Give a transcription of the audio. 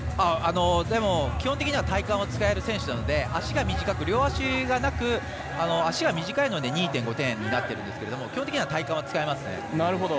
でも、基本的には体幹が使える選手なので足が短いので２．５点になっているんですが基本的には体幹を使えますね。